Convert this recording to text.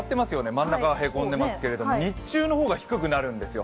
真ん中がへこんでいますけれども日中の方が低くなるんですよ。